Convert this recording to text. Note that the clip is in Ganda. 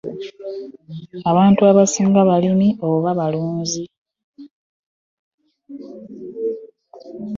Abantu abasinga balimi oba balunzi